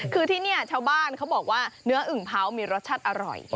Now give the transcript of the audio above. คือที่นี่ชาวบ้านเขาบอกว่าเนื้ออึ่งเผามีรสชาติอร่อย